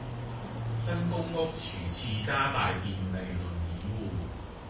新公屋廁廚加大便利輪椅戶